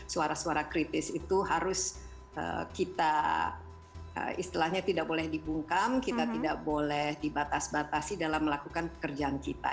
suara suara kritis itu harus kita istilahnya tidak boleh dibungkam kita tidak boleh dibatas batasi dalam melakukan pekerjaan kita